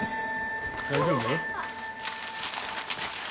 大丈夫？